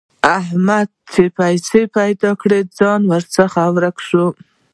احمده! تا چې پيسې پیدا کړې؛ ځان درڅخه ورک شو.